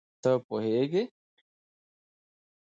ته پوهېږې